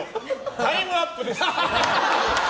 タイムアップです！